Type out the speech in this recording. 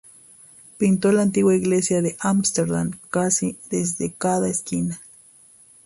Pintó la antigua iglesia de Ámsterdam casi desde cada esquina.